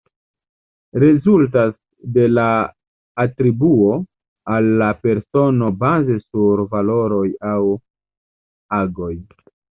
Rezultas de la atribuo al la persono baze sur valoroj aŭ agoj.